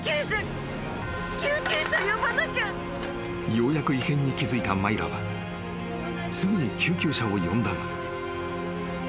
［ようやく異変に気付いたマイラはすぐに救急車を呼んだが］